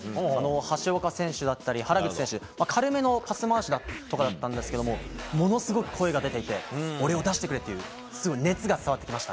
橋岡選手だったり原口選手軽めのパス回しとかでしたがものすごく声が出ていて俺を出してくれ！という熱意が伝わってきました。